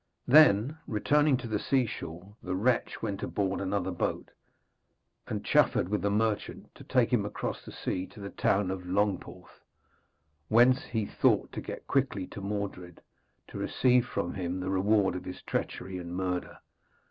Then, returning to the seashore, the wretch went aboard another boat, and chaffered with the merchant to take him across the sea to the town of Llongporth, whence he thought to get quickly to Mordred, to receive from him the reward of his treachery and murder.